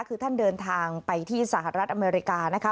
คือท่านเดินทางไปที่สหรัฐอเมริกานะคะ